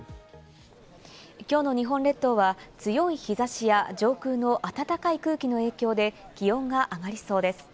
今日の日本列島は強い日差しや上空の暖かい空気の影響で、気温が上がりそうです。